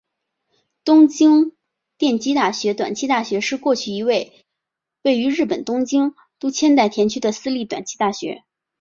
东京电机大学短期大学是过去一所位于日本东京都千代田区的私立短期大学。